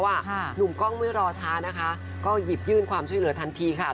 หนุ่มกล้องไม่รอช้านะคะก็หยิบยื่นความช่วยเหลือทันทีค่ะ